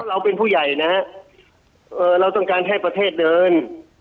เราเป็นผู้ใหญ่นะฮะเราต้องการให้ประเทศเดิน